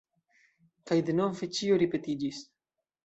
Kaj denove ĉio ripetiĝis.